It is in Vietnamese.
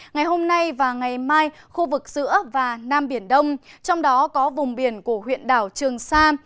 ngày hôm nay và ngày mai khu vực giữa và nam biển đông trong đó có vùng biển của huyện đảo trường sa